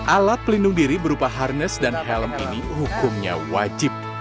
alat pelindung diri berupa harness dan helm ini hukumnya wajib